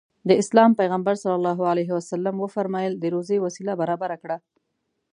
د اسلام پيغمبر ص وفرمايل د روزي وسيله برابره کړه.